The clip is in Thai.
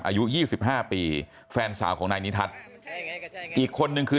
อายุ๒๕ปีแฟนสาวของนายนิทัศน์อีกคนนึงคือ